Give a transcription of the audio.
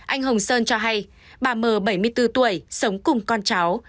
anh hồng sơn cho hay bà m bảy mươi bốn tuổi sống cùng con cháu